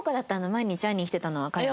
毎日会いに来てたのは彼が。